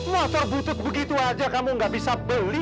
motor butut begitu aja kamu gak bisa beli